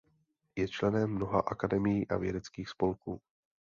Je členem mnoha akademií a vědeckých spolků.